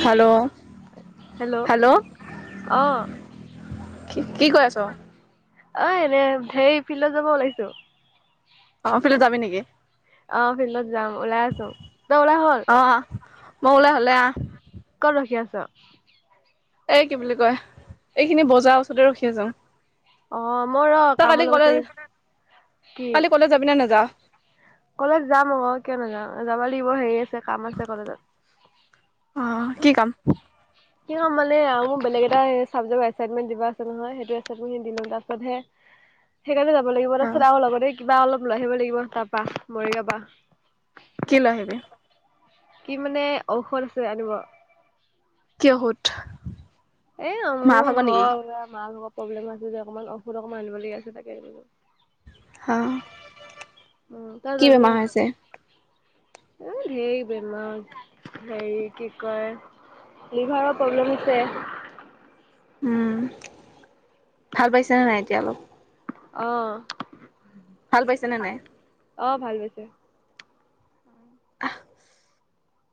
অহ hello hello অহ। কি কি কয় আছ? অ, এনে ধেৰ ফিল্ডত যাব ওলাইছো। আমাৰফালে যাবি নেকি? আহ ফিল্ডত যাম, ওলাই আছো। তই ওলাই হ'ল? অ মই ওলাই হ'লে আহ ক'ত ৰখি আছ? এই কি বুলি কয়? এইখিনি বজাৰ ওচৰতে ৰখি আছো। অ, মই ৰ তই কাম কালি অলপ কলেজ বিচাৰি কি? কালি কলেজ যাবি নে নাযাৱ কলেজ যাম আক কিয় নাযাম? যাব লাগিব হেৰি আছে, কাম আছে কলেজত। অ, কি কাম? কি হ' মানে আৰু মোক বেলেগ এটা এ চাবজেক্ট আছে [unintelligible] দিব আছে নহয়, সেইটো [unintelligible] তাৰপিছত হে [inaudible] সেইকাৰণে যাব লাগিব। অ তাৰপিছত আৰু লগতে কিবা অলপ লৈ আহিব লাগিব তাৰপা মৰিগ পৰা। কি লৈ আহিবি। কি মানে ঔষধ আছে আনিব। কি ঔষদ? এ, মোৰ ঘৰ মাৰত প্ৰব্লেম আছে, যে অকমান ঔষধ অকমান আনিবলগীয়া আছে তাকে। হা, উম তই কি যাবি নে বেমাৰ আছে? নাযাওঁ এ, হেৰ বেমাৰ, হেৰি কি কয়? লিভাৰৰ প্ৰব্লেম হৈছে। উম, ভাল পাইছে নে, নাই, এতিয়া অলপ অ', ভাল পাইছে, নে নাই? অ', ভাল পাইছে। আহ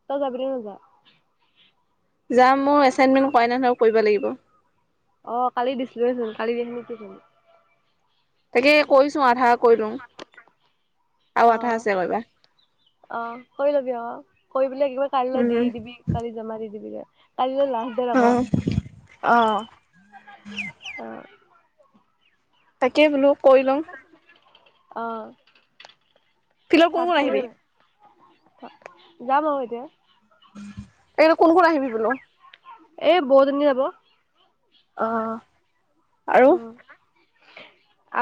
তই যাবি নে নাযাওঁ? যাম মই, এচাইনমেণ্ট কৰাই নাই নহয় কৰিব লাগিব। অ', কালি দিছিলোয়েচোন। কালি দিছিলি নেকি? তাকে কৈছো আধা কৰি লওঁ আৰু আধা অ', আছে কৰিবা অ', কৰি লবি, অ', কৰি একেবাৰে কাইলৈ দি উম দিবি। কালি জমা দি দিবি গে কালিলৈ লাষ্ট। ডেট উম, আকৌ অ', অ', তাকেই বোলো কৰি লওঁ। অ', ফিল্ডত কোন ভাত কোন খালি নে আহিবি নাই? যাম আৰু এতিয়া। তাকেইটো কোন কোন আহিবি বোলো? এই বৌ জনি যাব। অ আৰু উম,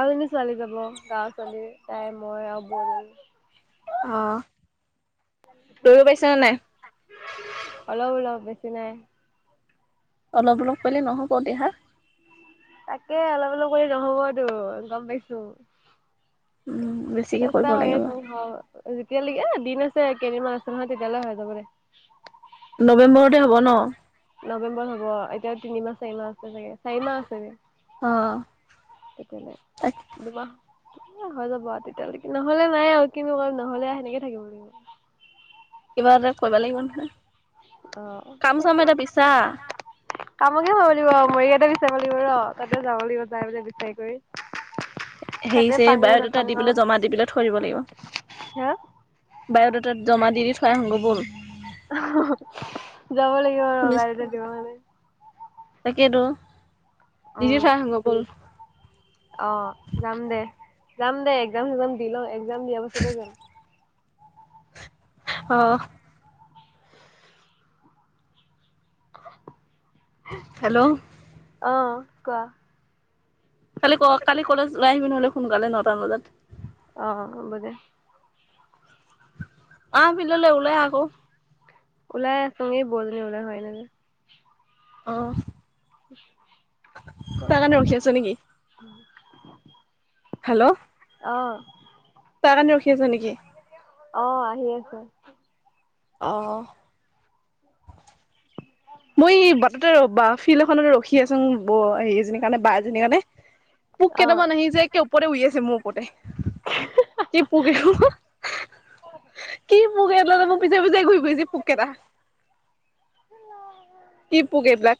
আৰু এজনী ছোৱালী যাব, গাৱৰ ছোৱালী তাই মই আৰু বৌ। অ', দৌৰিব পাৰিছা নে নাই অলপ-অলপ বেছি নাই। অলপ-অলপ পালে নহ'ব দেহা। তাকে অলপ-অলপ কৰিলে ন'হবটো গ'ম পাইছো। উম বেছিকে কৰিব চেষ্টা কৰি লাগিব আছোঁ হোৱাব। যেতিয়ালৈকে দিন আছে। কেইদিনমান আছে নহয়, তেতিয়ালৈ হৈ যাব দে। নৱেম্বৰতে হ'ব ন? নৱেম্বৰত হ'ব। এতিয়াও তিনিমাহ চাৰিমাহ আছে চাগে, চাৰিমাহ আছে দে। অ', একো নাই। তাক দুমাহ এই হৈ যাব আৰু তেতিয়ালৈকে। ন'হলে নাই আৰু কিন্তু নহ'লে সেনেকে থাকিব লাগিব। কিবা এটা কৰিবা লাগিব নহয়। অ কাম-চাম তাকে এটা বিচাৰ। কামকে কৰিব লাগিব। মৰিগাঁওতে বিচাৰিব লাগিব ৰহ, তাতে যাব লাগিব যাই পেলে বিচাৰি কৰি, হেৰি তাতে চেৰী পাং নে বায়'ডাটা নাপাং দি আৰু পেলাই, জমা দি পেলাই থৈ দিব লাগিব। হা, বায়'ডাটা জমা দি দি থৈ আহোঁ ব'ল। যাব লাগিব ৰ [unintelligible] দিব কাৰণে। তাকেইতো, দি দি থৈ আহোঁগৈ বল। অঁ' যাম দে, যাম দে এক্সাম-সেকজাম দি লওঁ। এক্সাম দিয়াৰ পাছতে যাম। অঁ'। [unintelligible] হেল্ল'। অ', কোৱা‌? কালি ক, কালি কলেজ ওলাই আহিবি নহ'লে সোনকালে নটা মান বজাত। অ', হ'ব দে। আহ ফিল্ডলৈ ওলাই আহ আকৌ। ওলাই আছোঁ, এই বৌজনী ওলাই হোৱাই নাই যে। অ', [unintelligible] তাৰ কাৰণে ৰখি আছ নেকি? [unintelligible] হেল্ল'। অঁ। তাৰ কাৰণে ৰখি আছ নে কি? অঁ' আহি আছে। অঁ। মই এই বাটতে ৰবা ফিল্ড এখনত ৰখি আছো ব এজনীৰ কাৰণে বা এজনীৰ কাৰণে। পোক অ কেইটামান আহিছে একে ওপৰতে উৰি আছে মোৰ ওপৰতে। কি পোক এইখন [unintelligible] মোক [unintelligible] পিছে পিছে ঘূৰি ফুৰিছে পোক কেইটা। [unintelligible] কি পোক এবিলাক?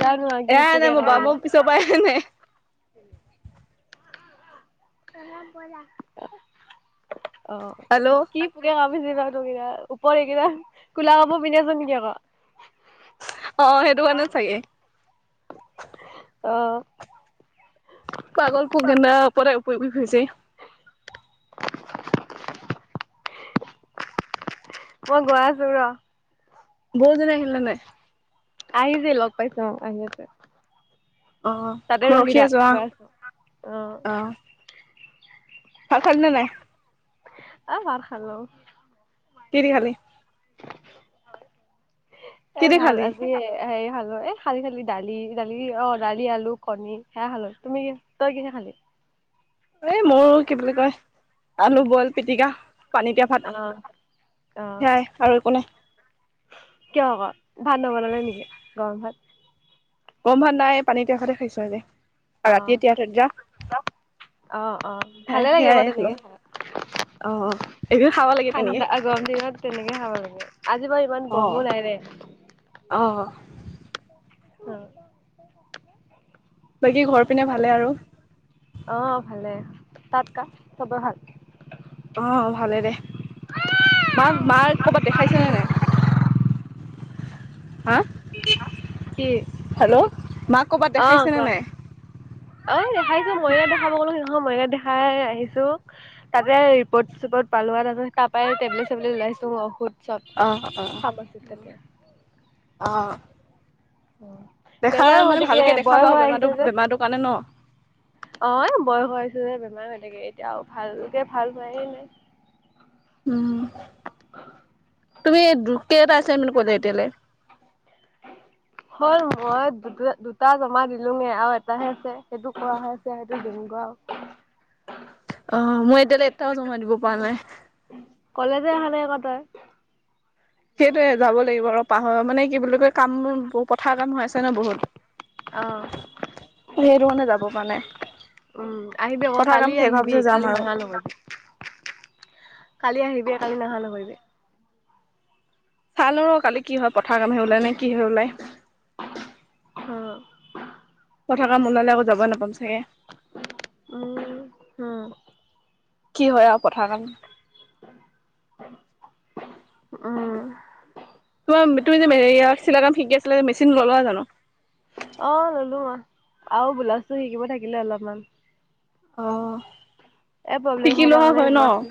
জানো [unintelligible] [unintelligible] মই কামুৰিলে পিছৰ পৰা এ নাই। অঁ' কি পোকে [unintelligible] ওপৰত হেল্ল' এইকেইটা ক'লা কাপোৰ পিন্ধি আছ নেকি আকৌ। অঁ' অঁ' সেইটো কাৰণে চাগে। অঁ। পাগল পোক কেইটা ওপৰতে উৰি ফুৰিছেহি। [unintelligible] মই গৈ আছো ৰ। বৌ জনী আহিলে নাই? আহিছে লগ পাইছ অঁ' আহি আছে। অঁ' তাতে মই ৰখি থাক আছো গৈ আহ' অ অঁ'। ভাত খালি নে নাই? এ ভাত খালোঁ। কি দি খালি? কি এ দি ভাত খালি আজি হেৰি খালো এ খালি খালি দালি দালি অঁ' দালি, আলু, কণী সেয়া খালো। তুমি তই কিহে খালি? এই মইয়ো কি বুলি কয় আলু বইল পিটিকা। পানী তিয়া ভাত অ অ সেয়াই আৰু একো নাই। কিয় আকৌ ভাত নবনালে নেকি গৰম ভাত। গৰম ভাত নাই পানী দিয়া ভাতে খাইছোঁ আজি। আৰু ৰাতি অ' তিয়াই থৈ দিয়া অ' অ' ভালে লাগে বাৰু সেয়াই খালো তেনেকে খাই। অ এইবোৰ খাব লাগে তেনেকে ঠাণ্ডা গৰম দিনত তেনেকে খাব লাগে আজি বাৰু ইমান গৰমো নাই দে। অঁ। বাকী ঘৰ পিনে ভালে আৰু। অ'ভালে? তাত কা চবে ভাল? অ' ভালে দে মা মা ক'ৰবাত দেখাইছেনে নাই। হা কি হেল্ল' মাক ক'বাত অ দেখাইছেনে কোৱা নাই? [unintelligible] তাতে ৰিপত চিপত পালো আৰু তাতে টেবলেট চেবলেট লৈ আহিছো [unintelligible] অ' অ' অহ। অ'। দেখাই মানে ভালকৈ দেখাবা বেমাৰটো যে বেমাৰটোৰ কাৰণে ন। অ' বয়স হৈছে যে বেমাৰ হৈ থাকে এতিয়া ভালকে ভাল হোৱায়ে নাই। উম, তুমি [unintelligible] হল মই দু দুটা জমা দিলোগে আৰু এটাহে আছে। সেইটো কৰা হৈছে সেইটো দিমগৈ। অ' মই এতিয়ালৈ এটাও জমা দিব পৰা নাই। কলেজে আহা নাই আকৌ তই। সেইটোয়ে যাব লাগিব আৰু পাহ মানে কি বুলি কয় কামবোৰ পথাৰ কাম হৈ আছে ন অ বহুত। সেইটো কাৰণে যাব পাৰা নাই। উম আহিবি আকৌ পথাৰ কাম কালি শেষ হোৱাৰ আহিবি পিছত যাম কালি আৰু নহা নহয়৷ কালি আহিবি কালি নাহা নকৰিবি। চালো ৰ কালি কি হয় পথাৰ কামে ওলাই নে কি হয় ওলায়। অ'। ক থকা মনলৈ আকৌ যাবই নাপাম চাগে। উম। হম, কি হয় আৰু পথাৰ খন উম। তোমাৰ তুমি যে এয়া চিলাই কাম শিকি আছিলা মেচিন ললা জানো? অ' ললো আৰু বোলাওছো শিকিব থাকিলে অলপমান। অ এ' প্ৰব্লেম শিকি হব লোৱা মানে হয় ন এইবিলাক [unintelligible]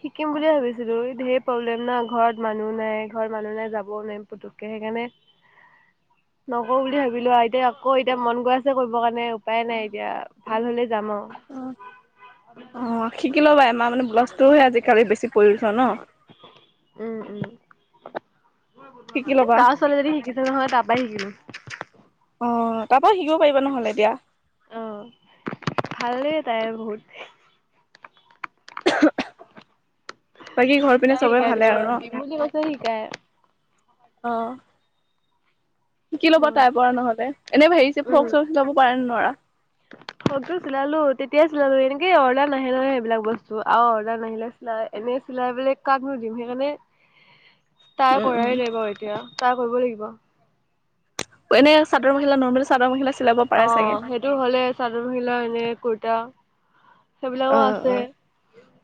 শিকিম বুলিয়ে ভাবিছিলো ঢেৰ প্ৰব্লেম না ঘৰত মানুহ নাই ঘৰত মানুহ নাই যাবও নোৱাৰিম। পুতুকে সেইকাৰণে [inaudible] নগও বুলি ভাবিছিলোঁ। ভাবি লোৱা এতিয়া আকৌ এতিয়া মন গৈ আছে কৰিব কাৰণে উপায় নাই এতিয়া ভাল হলে যাম আৰু। অ' অ' শিকি ল'বা আমাৰ মানে ব্লাউজটোহে আজিকালি বেছি প্ৰয়োজন ন। উম উম। শিকি এই লবা। গাঁৱৰ ছোৱালীজনী শিকিছে নহয় তাৰ পৰা শিকিলো। অ' তাৰ পৰা শিকিব পাৰিবা নহলে এতিয়া। অ ভালে তাইৰ বহুত। বাকী ঘৰত তাই শিকাই দিব, দিম বুলি কৈছে শিকাই। অ শিকি ল'বা উম, তাইৰ পৰা নহলে এনেই হেৰি ছেৰি উম। ফ্ৰ'ক চৰক চিলাব পাৰে নে নোৱাৰা ফ্ৰ'কতো চিলালো তেতিয়াই চিলালো এনেকেই অৰ্ডাৰ নাহে নহয় সেইবিলাক বস্তু আৰু অৰ্ডাৰ নাহিলে নাই এনে চিলাই মেলি কাকনো দিম সেইকাৰণে [inaudible] ট্ৰাই উম উম কৰাই নাই বাও এতিয়া ট্ৰাই কৰিব লাগিব এনে চাদৰ মেখেলা নৰ্মেল চাদৰ মেখেলা চিলাব পাৰে চাগে। তোৰ হ'লে চাদৰ মেখেলা এনে কুৰ্তা সেইবিলাকো অ', আছে অ',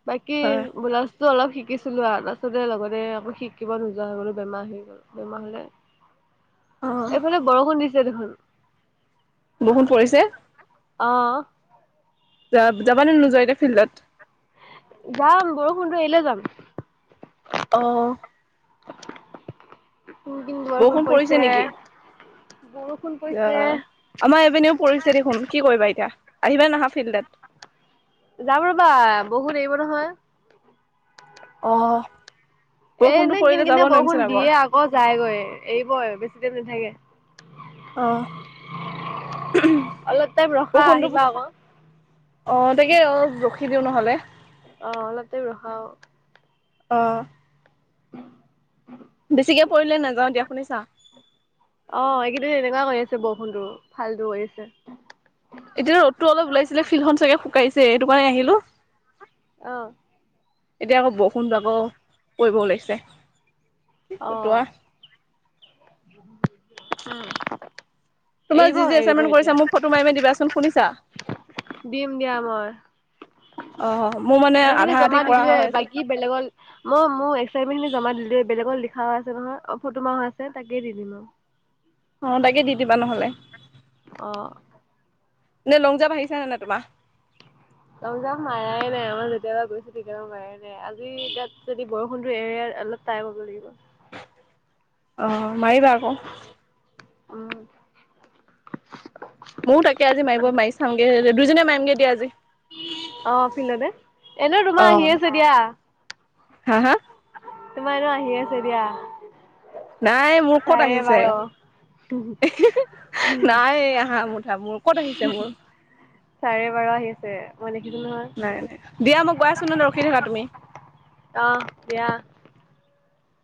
বাকী হয়। ব্লাউজ টো অলপ শিকিছিলো আৰু তাছতে লগতে আকৌ শিকিব নোযোৱা হৈ গলো বেমাৰ আহি গ'ল। বেমাৰ হলে অ', এইফালে বৰষুণ দিছে দেখোন। বৰষুণ পৰিছে অ যা যাবা নে নোযোৱা এতিয়া ফিল্ডত যাম বৰষুণতো এৰিলে যাম অ টিং টিং বৰষুণ পৰিছে বৰষুণ পৰিছে। অ', আমাৰ এইপিনেও পৰিছে দেখোন কি কৰিবা এতিয়া আহিবা নাহা ফিল্ডত যাম ৰবা বহুত বৰষুণ এৰিব নহয়। অ বৰষুণতো পৰিলে যাব নোৱাৰিম চোন আকৌ অ যায়গৈ এৰিবই বেছি দেৰি নাথাকে। অ'। অলপ টাইম ৰখা বৰষুণটো আহিবা আক। অ তাকে অ ৰখি দিও নহলে। অ অলপ টাইম ৰখা অ অ বেছিকে পৰিলে নাযাও দিয়া শুনিছা অ এইকেইদিন এনেকোৱাই কৰি আছে বৰষুণটো ফালতো কৰিছে এতিয়া ৰদটো অলপ ওলাইছিলে ফিল্ডখন চাগে শুকাইছে এইটো কাৰণে আহিলো। অ এতিয়া আকৌ বৰষুণতো আকৌ পৰিব ওলাইছে। কি অ ফটোৱা। উম তোমাৰ এৰিব যি যি এৰিব এচাইনমেন্ট এতিয়া কৰিছা মোক ফটো মাৰি মাৰি দিবাচোন শুনিছা দিম দিয়া মই অ মোৰ মানে আধা আধি কৰা হৈ আছে বেলেগ'ল মই মো এচাইণ্টমেণ্ট খিনি জমা দিলোয়ে বেলেগত লিখাও আছে নহয় অ ফটো মৰা হৈ আছে তাকে দি দিম আও অ তাকে দি দিবা নহ'লে অ এনে লং জাপ আহিছে নে নাই তোমাৰ? লং জাপ মাৰাই নাই আমাৰ যেতিয়াপা গৈছো তেতিয়াপা মাৰাই নাই আজি তাত যদি বৰষুণতো এৰে অলপ ট্ৰাই কৰিব লাগিব। অ মাৰিবা আকৌ উম। ময়ো তাকে আজি মাৰিব মাৰি চাঙগে, দুইজনে মাৰিমগে দিয়া আজি। অঁ ফিল্ডতে, এনেও তোমাৰ আহি আছে দিয়া। হাঁ হাঁ? তোমাৰ এনো আহি আছে দিয়া। নাই মোৰ ক'ত চাৰে আহিছে? বাৰ, [unintelligible] নাই আহা, মুঠা মোৰ ক'ত আহিছে মোৰ? চাৰে বাৰ আহি আছে, মই দেখিছো নহয়। নাই নাই দিয়া মোক গৈ আছো নয় ৰখি থাকা তুমি। অঁ দিয়া।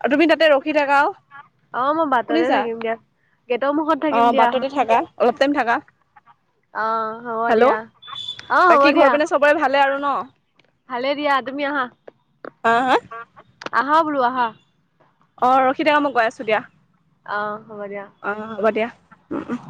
আৰু তুমি তাতে ৰখি থাকা অ' অঁ মই বাটতে শুনিছা থাকিম দিয়া, গেটৰ মুখত অ থাকিম দিয়া। বাটতে অলপ টাইম থাকা। অ' হ'ব হেল'ও দিয়া। অ' হ'ব বাকী ঘৰ পিনে চবৰে ভালে আৰু ন' ভালেই দিয়া তুমি আহা। হাঁ হাঁ? আঁহা বোলো আহা। অঁ ৰখি থাকা মই গৈ আছো দিয়া, অ' হ'ব দিয়া। অঁ হ'ব দিয়া। উম উম।